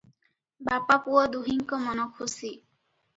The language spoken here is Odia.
ବାପା ପୁଅ ଦୁହିଁଙ୍କ ମନ ଖୁସି ।